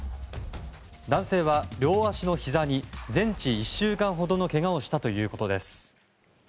男性は両足のひざに全治１週間ほどのけがをしたということです。